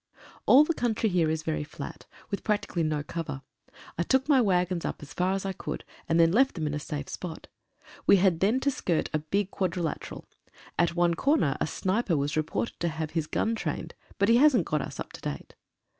All the country here is very flat, with practically no cover. I took my waggons up as far as I could, and then left them in a safe spot. We had then to skirt a big quad rilateral. At one corner a sniper was reported to have his gun trained, but he hasn't got us up to date.